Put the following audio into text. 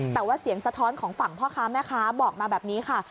แต่ว่าเสียงสะท้อนของฝั่งพ่อค้าแม่ค้าบอกมาแบบนี้ค่ะ